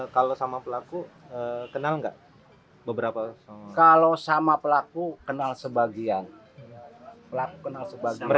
kalau sama pelaku kenal nggak beberapa kalau sama pelaku kenal sebagian pelaku kenal sebagian